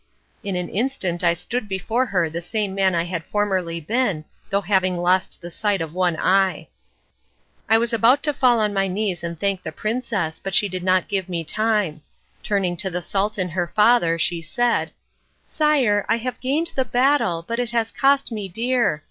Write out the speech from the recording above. In an instant I stood before her the same man I had formerly been, though having lost the sight of one eye. I was about to fall on my knees and thank the princess but she did not give me time. Turning to the Sultan, her father, she said, "Sire, I have gained the battle, but it has cost me dear.